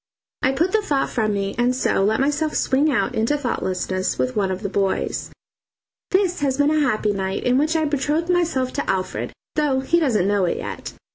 I put the thought from me, and so let myself swing out into thoughtlessness with one of the boys. This has been a happy night, in which I betrothed myself to Alfred, though he doesn't know it yet.